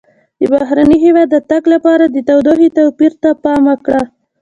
د بهرني هېواد د تګ لپاره د تودوخې توپیر ته پام وکړه.